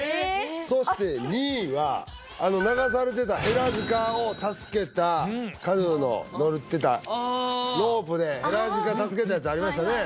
そして２位はあの流されてたヘラジカを助けたカヌーの乗ってたああロープでヘラジカ助けたやつありましたね